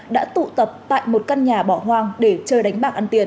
đã tụ tập tại một căn nhà bỏ hoang để chơi đánh bạc ăn tiền